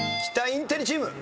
インテリチーム。